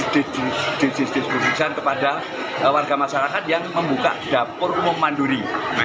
didistribusikan kepada warga masyarakat yang membuka dapur umum mandiri